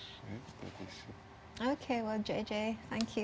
terima kasih telah berada di program ini